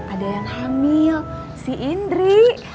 ada yang hamil si indri